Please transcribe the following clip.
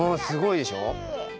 すごいでしょ？